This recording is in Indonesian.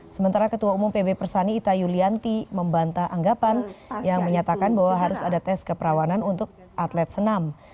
sementara ketua umum pb persani ita yulianti membantah anggapan yang menyatakan bahwa harus ada tes keperawanan untuk atlet senam